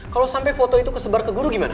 kalo sampe foto itu kesebar ke guru gimana